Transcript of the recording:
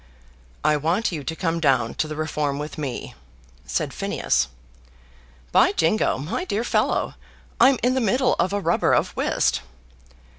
"I want you to come down to the Reform with me," said Phineas. "By jingo, my dear fellow, I'm in the middle of a rubber of whist."